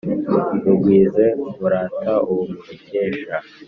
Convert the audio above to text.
Mugwize murata uwo mubikesha